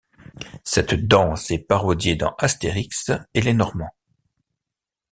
Cette danse est parodiée dans Asterix et les Normands.